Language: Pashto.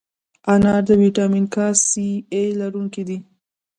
انار د ویټامین A، C، K لرونکی دی.